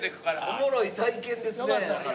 おもろい体験ですね！